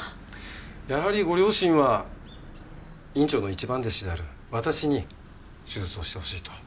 やはりご両親は院長の一番弟子である私に手術をしてほしいと。